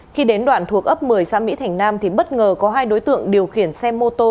khi đến đoạn thuộc ấp một mươi xã mỹ thành nam thì bất ngờ có hai đối tượng điều khiển xe mô tô